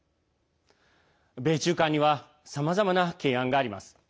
米中間にはさまざまな懸案があります。